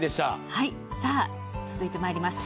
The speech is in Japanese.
続いて、まいります。